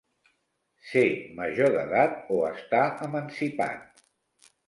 Ser major d'edat o estar emancipat.